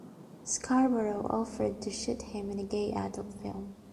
Scarborough offered to shoot him in a gay adult film.